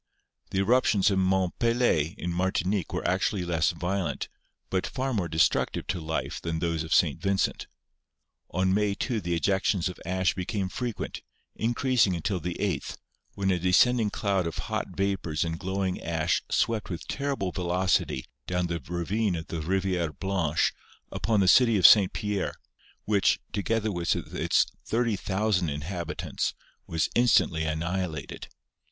The eruptions of Mont Pelee in Martinique were actu ally less violent, but far more destructive to life than those of St. Vincent. On May 2 the ejections of ash became frequent, increasing until the 8th, when a descending cloud of hot vapors and glowing ash swept with terrible velocity down the ravine of the Riviere Blanche upon the city of St. Pierre, which, together with its 30,000 inhabi tants, was instantly annihilated.